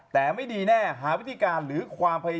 แต่ไม่ดีแน่หาวิธีการหรือความพยายาม